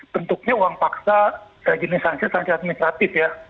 tentunya uang paksa jenis sanksi administratif ya